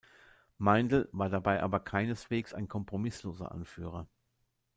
Meindl war dabei aber keineswegs ein kompromissloser Anführer.